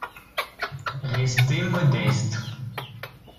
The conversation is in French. Restez modeste